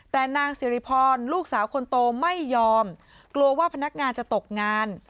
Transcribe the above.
แต่นางสิริพรลูกสาวคนโตไม่ยอมกลัวว่าพนักงานจะตกงาน